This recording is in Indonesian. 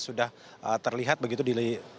sudah terlihat begitu di